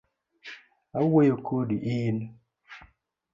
Awuoyo kodi in.